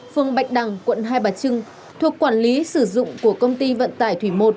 phương bạch đằng quận hai bạch trưng thuộc quản lý sử dụng của công ty vận tải thủy một